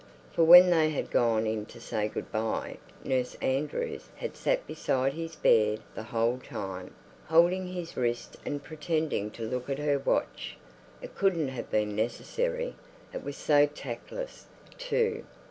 For when they had gone in to say good bye Nurse Andrews had sat beside his bed the whole time, holding his wrist and pretending to look at her watch. It couldn't have been necessary. It was so tactless, too.